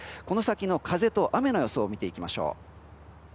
この先の風と雨の予想見ていきましょう。